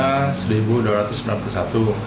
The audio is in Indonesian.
kepulauan riau itu buatannya